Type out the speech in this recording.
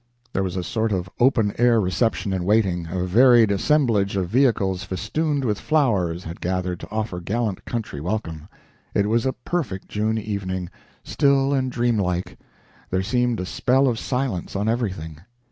There was a sort of open air reception in waiting a varied assemblage of vehicles festooned with flowers had gathered to offer gallant country welcome. It was a perfect June evening, still and dream like; there seemed a spell of silence on everything.